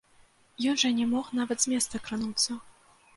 Ён жа не мог нават з месца крануцца.